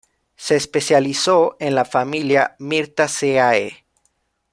Se especializó en la familia Myrtaceae.